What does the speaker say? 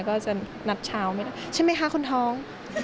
ก็จะนัดเช้าใช่มั้ยคะคนท้อง